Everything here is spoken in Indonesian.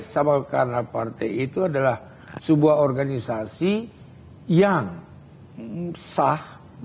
sama karena partai itu adalah sebuah organisasi yang sah